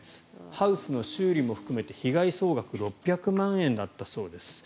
ハウスの修理も含めて被害総額６００万円だったそうです。